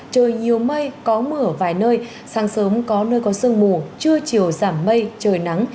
trời nhiều mây có mưa ở vài nơi sáng sớm có nơi có sương mù trưa chiều giảm mây trời nắng